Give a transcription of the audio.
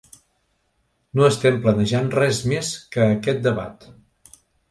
No estem plantejant res més que aquest debat.